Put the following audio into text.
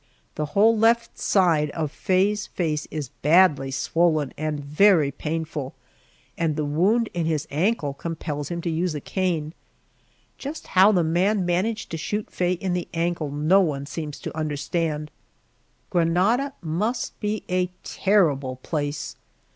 The whole left side of Faye's face is badly swollen and very painful, and the wound in his ankle compels him to use a cane. Just how the man managed to shoot Faye in the ankle no one seems to understand. Granada must be a terrible place!